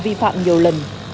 vi phạm nhiều lần